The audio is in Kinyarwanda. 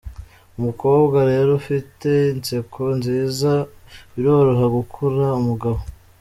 Umukobwa rero ufite inseko nziza biroroha gukurura umugabo.